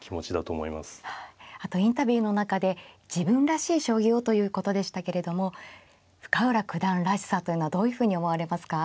あとインタビューの中で自分らしい将棋をということでしたけれども深浦九段らしさというのはどういうふうに思われますか。